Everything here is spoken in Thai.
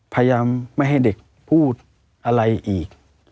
พยายามไม่ให้เด็กพูดอะไรอีก